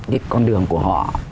cái con đường của họ